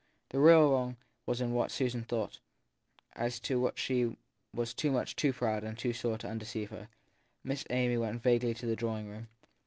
The real wrong was in what Susan thought as to which she was much too proud and too sore to undeceive her. Miss Amy went vaguely to the drawing room.